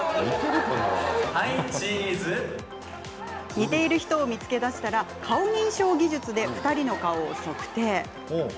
似ている人を見つけ出したら顔認証技術で２人の顔を測定。